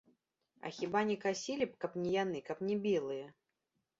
А хіба не касілі б, каб не яны, каб не белыя?